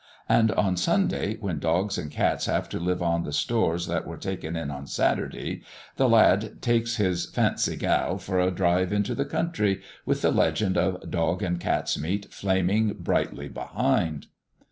And on Sunday, when dogs and cats have to live on the stores that were taken in on Saturday, the lad takes his "fancy gal" for a drive into the country, with the legend of "Dog's and Cat's Meat," flaming brightly behind.